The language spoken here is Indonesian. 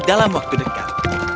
dalam waktu dekat